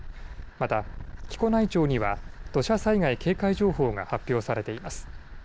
また、木古内町には土砂災害警戒情報が発表されています。